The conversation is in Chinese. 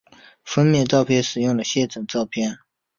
封面照片使用了现成照片。